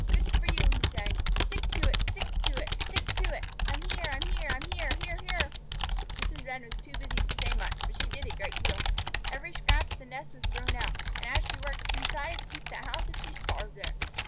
Good for you!" he sang. "Stick to it! Stick to it! Stick to it! I'm here! I'm here! I'm here, here, here!" Mrs. Wren was too busy to say much, but she did a great deal. Every scrap of the nest was thrown out, and as she worked she decided to keep that house if she starved there.